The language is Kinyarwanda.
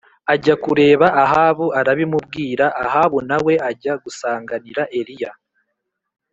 ajya kureba Ahabu arabimubwira Ahabu na we ajya gusanganira Eliya